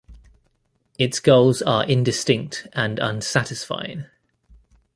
Its goals are indistinct and unsatisfying.